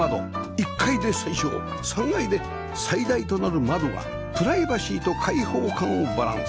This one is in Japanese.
１階で最小３階で最大となる窓がプライバシーと開放感をバランス